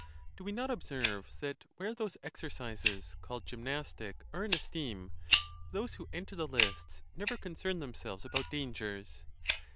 Do we not observe that where those exercises called gymnastic are in esteem, those who enter the lists never concern themselves about dangers?